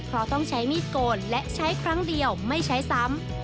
เพราะต้องใช้มีดโกนและใช้ครั้งเดียวไม่ใช้ซ้ำ